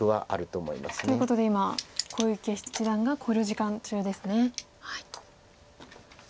ということで今小池七段が考慮時間中ですね。